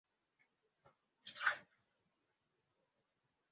Umugwaneza wicaye mu ikoti ry'ubwoya n'amadarubindi